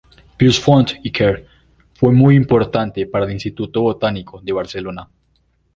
Pius Font i Quer fue muy importante para el Instituto Botánico de Barcelona.